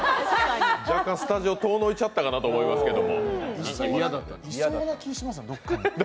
若干、スタジオ遠のいたかなと思いましたけど。